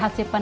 ada apa pak